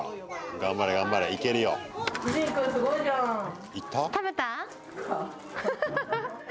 頑張れ頑張れ、いけるよ。いった？